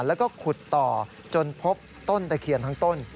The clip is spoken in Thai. แล้วก็ขุดต่อจนพบต้นตะเคียนทั้งต้น